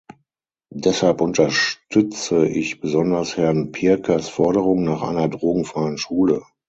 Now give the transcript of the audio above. Deshalb unterstütze ich besonders Herrn Pirkers Forderung nach einer drogenfreien Schule.